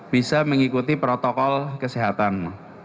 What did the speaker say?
bisa mengikuti protokol kesehatan